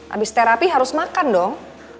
habis terapi harus makan dong